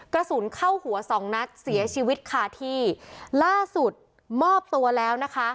กระสุนเข้าหัวสองนัดเสียชีวิตคาที่ล่าสุดมอบตัวแล้วนะคะ